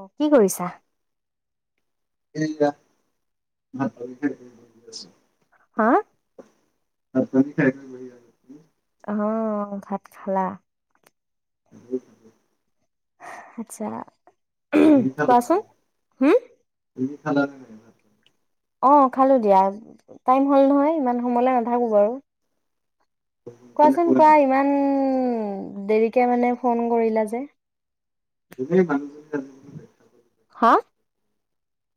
অ' কি কৰিছা? [unintelligible] হা ভাত পানী খাই কৈ [unintelligible] অ' ভাত খালা? [unintelligible] আচ্ছা। ওহ তুমি খালা? কোৱাছোন, হু [unintelligible] অ' খালো দিয়া, টাইম হ'ল নহয়, ইমান সময়লৈ নাথাকো বাৰু। সোনকালে কোৱাছোন শুৱা কোৱা, নেকি? ইমান ন?? ও, দেৰিকে মানে ফোন কৰিলে যে? [unintelligible] হা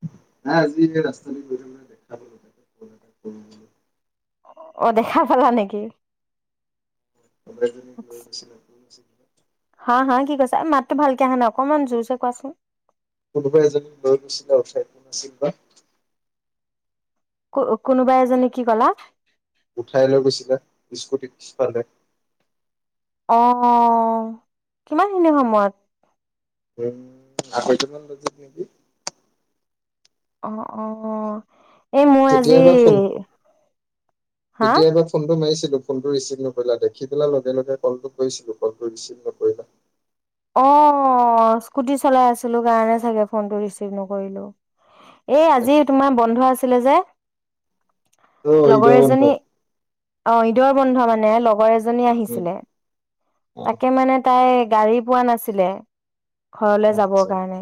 [unintelligible] ৰাস্তাইদি গৈ থাকোতে দেখা পালো, [unintelligible] অ' দেখা পালা নেকি? [unintelligible] হা-হা কি কৈছা মাতটো ভাল কে অহা নাই অকণমান জুৰছে কোৱাছোন। [unintelligible] কু-কোনোবা এজনীক কি ক'লা। উঠাই লৈ গৈছিলা স্কুটিৰ পিছফালে। অ'-অ' কিমানখিনি সময়ত। এই আঢ়ৈটা মান বজাত নেকি। অ'-অ'-অ'। তেতিয়াই এবাৰ ফোন, হা তেতিয়াই এবাৰ ফোনটো মাৰিছিলোঁ। ফোনটো ৰিছিভ নকৰিলা দেখি পেলাই লগে লগে ক'লটো কৰিছিলো ক'লটো ৰিছিভ নকৰিলা। অ' অ' স্কুটি চলাই আছিলোঁ কাৰণে চাগে ফোনটো ৰিছিভ নকৰিলোঁ। এই আজি তোমাৰ বন্ধ আছিলে যে। অ' লগৰ ঈদৰ এজনী বন্ধ। অ' ঈদৰ বন্ধ মানে লগৰ এজনী। এজনী উম আহিছিলে অ তাকে মানে তাই। গাড়ী। পোৱা নাছিলে। ঘৰলে যাবৰ আচ্ছা কাৰণে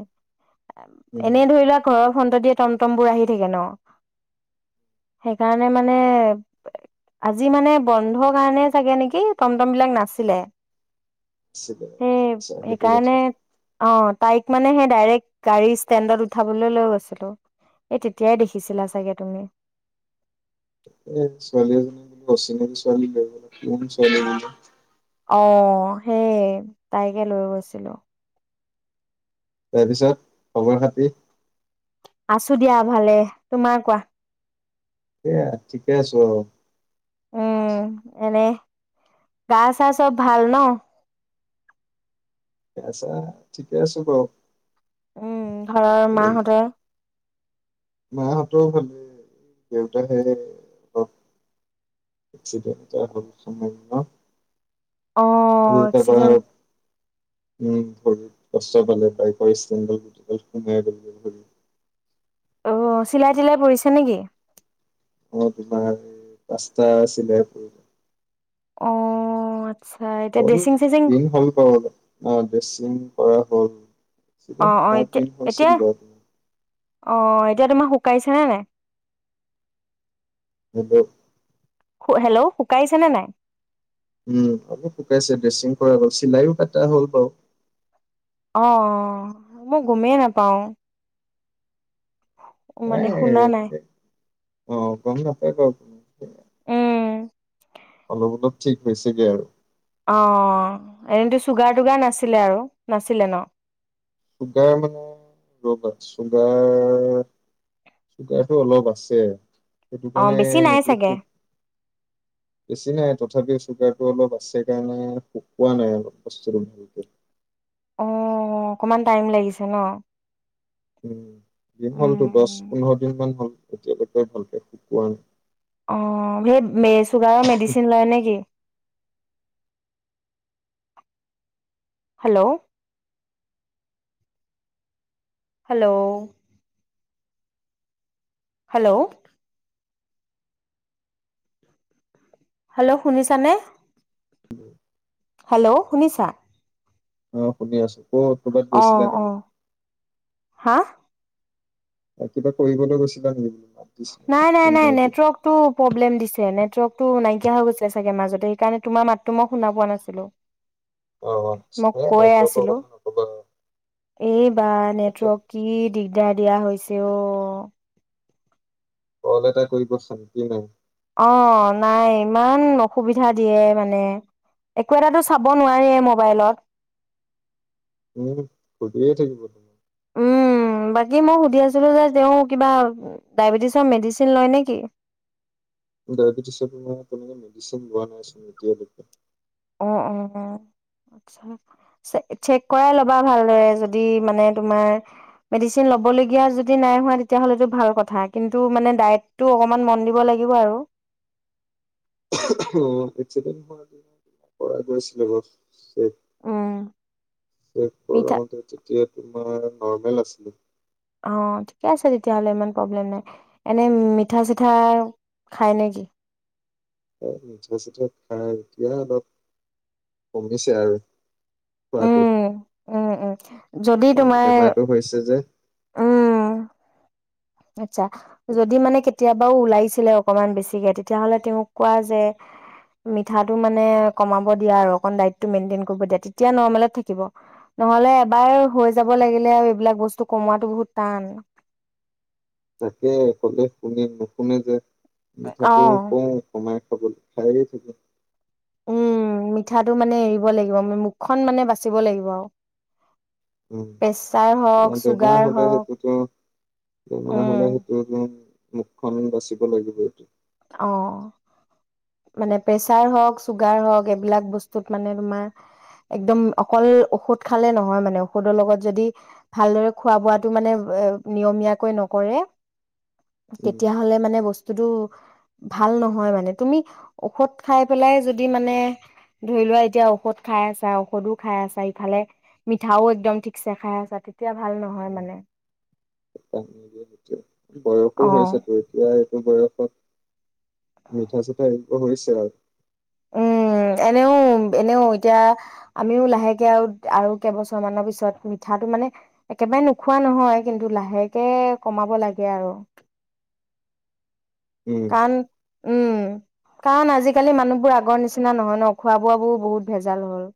উম এনেই ধৰি লোৱা ঘৰৰ। ফ্ৰণ্ট দিয়ে টম টম বোৰ আহি থাকে ন সেইকাৰণে মানে আজি মানে বন্ধ কাৰণে চাগে নেকি টম টম বিলাক নাছিলে। সেই [unintelligible] আতচা হেইটো সেইকাৰণে কথা। অ' তাইক মানে সেই ডাইৰেক্ট গাড়ী ষ্টেণ্ডত উঠাবলৈ লৈ গৈছিলো এই তেতিয়াই দেখিছিলা চাগে তুমি। ছোৱালী এজনী বোলো অচিনাকী ছোৱালী লৈ গ'লা কোন ছোৱালী বুলো। অ' সেই তাইকে লৈ গৈছিলো। তাৰ পিছত খবৰ খাটি। আছো দিয়া ভালেই তোমাৰ কোৱা। এইয়া থিকে আছো আৰু। উম এনেই। গা চা সব ভাল ন। গা চা ঠিকেই আছো বাৰু। উম ঘৰৰ মা হতৰ। মা হতৰ ভালেই দেউতাহে। [unintelligible] একচ্চিদেন্ত এটা হ'ল। [unintelligible] এই অ'-অ' তাৰপৰা একচ্চিদেন্ত। উম ভৰিত কষ্ট পালে বাইকৰ ষ্টেণ্ডডাল গোটেই ডাল সোমাই গ'ল গৈ ভৰিত। অ'-অ' চিলাই টিলাই পৰিছে নেকি। অ' তোমাৰ পাঁচতা চিলাই পৰিছে। অ' অ' অ' আত। দিন হ'ল বাৰু অলপ। [unintelligible] কৰা হ'ল। অ', অ', এতিয়া এতিয়া [inaudible] অ' এতিয়া তোমাৰ শুকাইছেনে হব। হেল্ল শুকাইছে নে নাই, উম শুকাইছে চিলাইও কটা হল বাৰু অ', অ', মই গমে নাপাওঁ নাই মানে শুনা নাই এনেকে অ', গম নাপাই বাৰো [unintelligible] অলপ অলপ ঠিক হৈছেগে আৰু। অ', অ', এনেইটো চুগাৰ টোগাৰ নাছিলে আৰু নাছিলে ন? চুগাৰ মানে ৰবা চুগাৰ টো অলপ আছে। [unintelligible] অ', বেছি নাই চাগে বেছি নাই। তথাপি চুগাৰ টো অলপ আছে কাৰণে শুকুৱা নাই অলপ বস্তুটো অ', অকমান টাইম লাগিছে ন? দিন হ'ল উম, টো দশ উম। পোন্ধৰ দিন মান হ'ল। এতিয়ালেকে ভালকে [unintelligible] অ', সেই মে চুগাৰৰ মেডিচিন লয় নে কি? হেল্ল হেল্ল হেল্ল হেল্ল শুনিছানে? হেল্ল শুনিছা? অ', শুনি আছোঁ। অ', [unintelligible] হা কিবা কৰিবলে গৈছিলানি? নাই নাই নাই নেটৱৰ্ক টো প্ৰব্লেম দিছে নেত নেটৱৰ্কটো নাই কিয়া হৈ গৈছিল চাগে মাজতে সেইকাৰণে তোমাৰ মাতটো মই শুনা পোৱা নাছিলোঁ। অ মই এ কৈ নেটৱৰ্কৰ আছিলোঁ কথা নকবা এই বা নেটৱৰ্ক নিউৱৰ্ক কি দিগদাৰ [inaudible] হৈছে অ' কল এটা কৰিব শক্তি নাই। অ' নাই ইমান অসুবিধা দিয়ে মানে একো এটাতো চাব নোৱাৰিএ মবাইলত উম কৰিয়ে থাকিব। উম বাকী মই সুধি আছিলোঁ যে তেওঁ কিবা ডাইবেটিছৰ মেডিচিন লয় নে কি? ডাইবেটিছৰ তেনেকা কোনো মেডিচিন লোৱা নাছিলে এতিয়া লৈছে। অ অ চেক চেক কৰাই লবা ভালদৰে যদি মানে তোমাৰ মেডিচিন লব লগীয়া যিদ নাই হোৱা তেনে ভাল কথা কিন্তু মানে দায়েতটো অকমান মন দিব লাগিব আৰু উমখো [inaudible] চেক উম, চেক মিঠা কৰাওতে তেতিয়া তোমাৰ, নৰ্মেল আছিলে, অ' ঠিকে আছে তেতিয়া হলে ইমান প্ৰবলেম নাই এনে মিঠা চিঠা খায় নে কি? উম মিঠা চিঠা খায় এতিয়া অলপ কমিছে আৰু খোৱাটো উম, উম, উম যদি কাৰণ তোমাৰ বেমাৰটো হৈছে যে উম। আচ্ছা, যদি মানে কেতিয়াবা বাওঁ উলাইছিলে অকমান বেছিকে তেতিয়া হ'লে তেওঁক কোৱা যে মিঠাটো মানে কমাবৰ দিয়া আৰু দাইতটো মেইনটেন কৰিবৰ দিয়া তেতিয়া নৰ্মেলত থাকিব নহ'লে এবাৰ হৈ যাব লাগিলে কমোৱাটো বহুত টান। তাকে ক'লে শুনি নুশুনে যে মিঠাটো অ', প্ৰায় কমাই খাব খাই থাকে। উম, মিঠাটো মানে এৰিব লাগিব মূখখন মানে বাচিব লাগিব। উম, প্ৰেছাৰ হওঁক বেমাৰ চুগাৰ হ'লে হওঁক হেইটোটো আৰু বেমাৰ উম, হ'লে হেইটোটো মূখখন বাচিব লাগিবটো। অহ' মানে প্ৰেচাৰ হক চোগাৰ হক এই বিলাক বস্তত মানে তোমাৰ একদম অকল ঔষধ খালে নহয় মানে ঔষধৰ লগত যাদি ভালদৰে খোৱাটো মানে নিয়মীয়াকৈ নকৰে উম তেতিয়া হ'লে মানে বস্ত কিতু! ভাল নহয় মানে তুমি ঔষধ খাই পেলাই যদি মানে ধৰিলোৱা এতিয়া ঔষধ খাই আছা, ঔষধও খাই আছা, ইফালে মিঠাও একদম ঠিকছে খাই আছা, তেতিয়া ভাল নহয় মানে। বয়সো অ হৈছে পৰকীয়াই এইটো বয়সত মিঠা ছিঠা এৰিব হৈছে আৰু উম, এনেও এনেও এতিয়া আমিও লাহেকেআও আৰু কেইবছৰ মানৰ পাছত মিঠাটো মানে একেবাৰে নোখোৱা নহয়, কিন্ত লাহেকে কমাব লাগে আৰু উম কাণ উম, কাৰণ আজিকালী মানুহবোৰ আগৰ নিচিনা নহয় ন? খোৱা বোৱাবোৰ বহুত ভেজাল হল।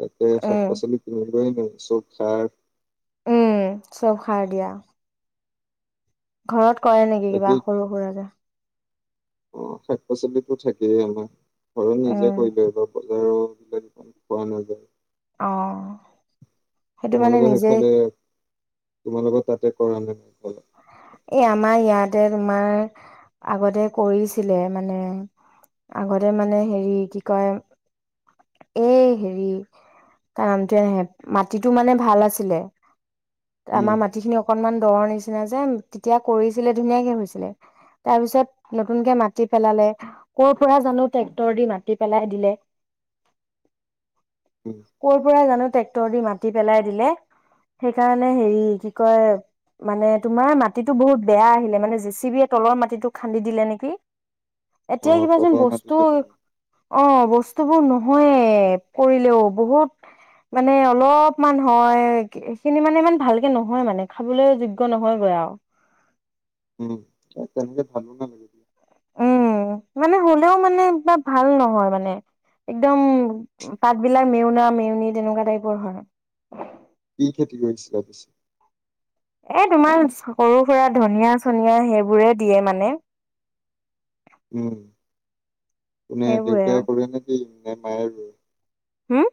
[inaudible] একে শাক উম পাছলিচ কিমান কিনিব। [inaudible] [unintelligible] উম চব সাৰ দিয়া। ঘৰত কৰে নেকি কিবা বাকী সৰু সুৰাকে? অ শাক-পাচলিবোৰ থাকেই আৰু ন? নিজে উম কৰি দিয়া এহাতত [inaudible] [unintelligible] অঁ সেইটো মানে তোমালোকৰ নিজেই সেইফালে তোমালোকৰ তাতে কৰানে? এ আমা ইয়াত জে তোমাৰ আগতে কৰিছিলে মানে আগতে মানে হেৰি কি কয় এ হেৰি তাৰ নামটোৱে নাহে মাটিটো মানে ভাল আছিলে, উম আমাৰ মাটিখিনি অকন মান তৰনিচ নেজানো তেতিয়া কৰিছিলে ধুনিয়াকে হৈছিলে, তাৰপাছত নতুন মাটি পেলালে কৰপৰা জানো টেক্টৰ দি মাটি পেলায় দিলে [inaudible] কোনে জানো টেক্টৰ দি মাটি পেলাই দিলে সেইকাৰণে হেৰি কি কয় মানে তোমাৰ মাটিটো বহুত বেয়া আহিলে মানে জেছিবিয়ে তলৰ মাটিটো খান্দি দিলে নেকি। অ এতিয়া কিবাযেন তলৰ বস্তু মাটিতে তোমাৰ অ' বস্তুবোৰ নচ মই কৰিলো বহুত মানে অলপমান হয় হেখিনি ইমান ভালকে নহয় মানে খাবলে যোগ যোগ্য নহয় গৈ আৰু। উম তাত তেনেকে ভাত বনাই নেকি? উম মানে হলেও মানে কিবা ভাল নহয় মানে একদম পাতবিলাক মেওনা মেওনি তেনেকুৱা টাইপৰ হয়। কি খেতি কৰিছিলা পিছে। এ তোমাৰ সৰু সুৰা ধনীয়া চনীয়া সেইবোৰে দিয়ে মানে। উম। কোনে সেইবোৰে আৰু। দেউতায়ে কৰে নেকি? [unintelligible] হুম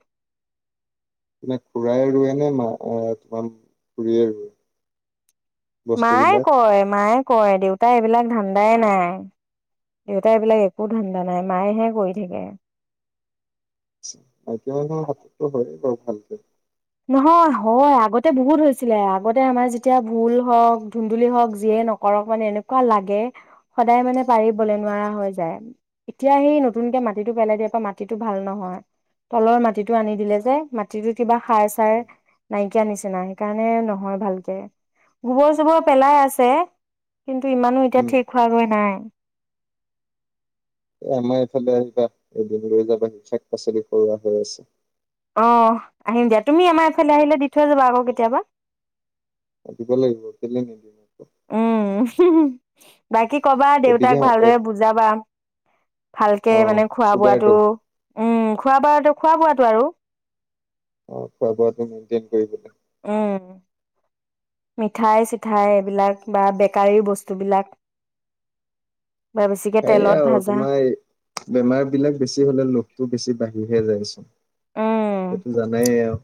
নাই খুৰাই ৰোৱে নে মাৰ এই তোমাৰ খুৰীয়ে ৰুই? মায়েই কৰে, মাই কৰে দেউ দেউতাই এইবিলাক ধান্দাই নাই, দেউতাৰ এইবিলাক একো ধান্দা নাই, মায়েহে কৰি থাকে। [unintelligible] নহয় হয়, আগতে বহুত হৈছিলে, আগতে আমাৰ যেতিয়া ভোল হওক, ধুন্দুলী হওক যিয়েই নকৰক হয়নে এনেকুৱা লাগে, সদায় মানে [unintelligible] উম বলে নোৱাৰা হৈ যায়। এতিয়া এই নতুনকৈ মাটিটো পেলাই দিয়াৰপৰা মাটিটো ভাল নহয়। তলৰ মাটিটো আনি দিলে যে, মাটিটো কিবা সাৰ উম [unintelligible] নাইকীয়া নিচিনা, সেইকাৰণে নহয় ভালকে। গোবৰ-চোবৰ ও পেলাই আছে। কিন্তু ইমানো এতিয়া উম থিক হোৱাগৈ নাই। অ আমাৰ এইফালে আহিবা, [unintelligible] লৈ যাবাহি, চব পাচলি কৰা হৈ আছে। অহ, আহিম দিয়া। তুমি আমাৰ এইফালে আহিলে দি থৈ যাবা আকৌ কেতিয়াবা। [unintelligible] ও, হো হো, বাকী, কবা দেউতাক এবিঘা এ ভালদৰে বুজাবা। ভালকে অ মানে চুগাৰটো খোৱা-বোৱাটো, ও [unintelligible] অ' খোৱা- বোৱাটো মেইন্টেন কৰিব লাগে। অ'। মিঠাই চিথাই এইবিলাক, বা বেকাৰী বস্তু বিলাক এইয়া আৰু তোমাৰ বেমাৰ বিলাক বেছি হ'লে লোভটো বেছি বাঢ়িহে যায় উম সেইটো জানাই আও।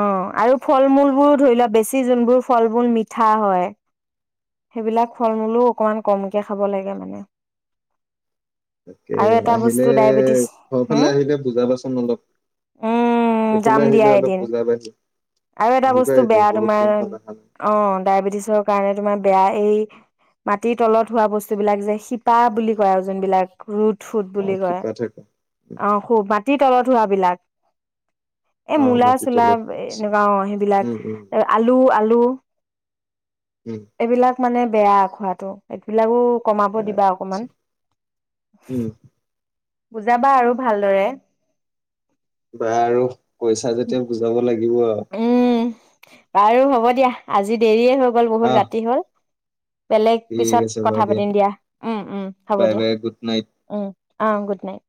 অ', আৰু ফল-মূল বোৰ ও ধৰি ল বেছি জোনবোৰ ফল-মূল মিঠা হয়। সেই বিলাক ফল-মূল ও অকমান কমকে খাব লাগে মানে। তাকে, আৰু এটা আহিলে বস্তু ডায়বেটিছ ঘৰ হম ফালে আহিলে বুজাবাচোন অলপ। উম যাম এইফালে দিয়া আহিলে অলপ এদিন বুজাবাচোন। আৰু এটা বস্তু বেয়া [unintelligible] বহুত তোমাৰ দিন হ'ল অহা নাই। অ ডায়বেটিছৰ কাৰণে তোমাৰ বেয়া এই, মাটিৰ তলত হোৱা বস্তু বিলাক যে শিপা বুলি কয় আও জোনবিলাক [unintelligible] [unintelligible] অ বুলি কয়, কিবা থাকা অ স মাটিৰ তলত হোৱা বিলাক। [inaudible] এই অ মাটি মূলা-চূলা তলত ব আচ্ছা এই অ উম সেইবিলাক। উম উম আলু উম এইবিলাক মানে বেয়া খোৱাটো। ‌ এইবিলাকো কমাব দিবা আচ্ছা অকণমান। উম বুজাবা আৰু ভালদৰে। বাৰু, কৈছা যেতিয়া বুজাব লাগিব আৰু। উম বাৰু হ'ব দিয়া, আজি দেৰিয়ে হ হ'ল বহুত আহ ৰাতি। বেলেগ ঠিক পিছত আছে কথা বাৰু পাতিম দিয়া, ও ও, হ'ব বাই দিয়া। বাই গুড নাইট ও। অ, গুডনাইট।